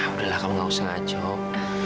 udah lah kamu enggak usah ngacau